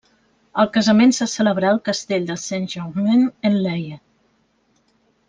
El casament se celebrà al castell de Saint-Germain-en-Laye.